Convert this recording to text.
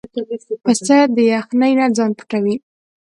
پسه د یخنۍ نه ځان پټوي.